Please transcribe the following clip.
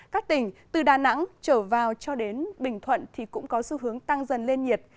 các tỉnh từ đà nẵng trở vào cho đến bình thuận thì cũng có xu hướng tăng dần lên nhiệt